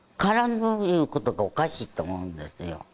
どるいうことがおかしいと思うんですよ